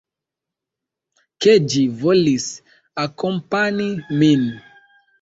Ke ĝi volis akompani min.